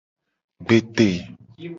Gbete.